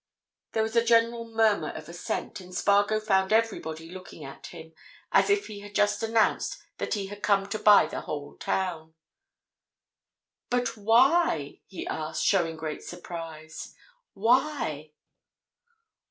There was a general murmur of assent, and Spargo found everybody looking at him as if he had just announced that he had come to buy the whole town. "But—why?" he asked, showing great surprise. "Why?"